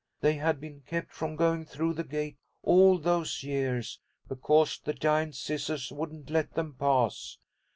They had been kept from going through the gate all those years, because the Giant Scissors wouldn't let them pass.